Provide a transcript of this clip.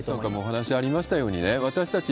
お話ありましたようにね、私たち